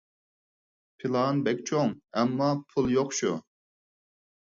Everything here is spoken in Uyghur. پىلان بەك چوڭ، ئەمما پۇل يوق شۇ.